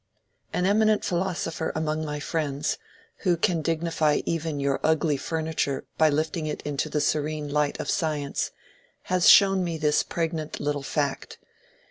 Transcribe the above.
An eminent philosopher among my friends, who can dignify even your ugly furniture by lifting it into the serene light of science, has shown me this pregnant little fact.